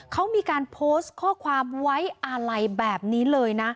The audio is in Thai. เขามีการโพสต์ข้อความไว้อาลัยแบบนี้เลยนะ